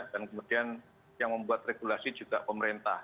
kemudian yang membuat regulasi juga pemerintah